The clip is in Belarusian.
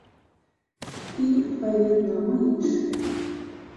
І, адпаведна, мы іншыя.